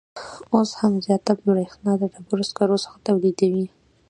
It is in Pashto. اوس هم زیاته بریښنا د ډبروسکرو څخه تولیدوي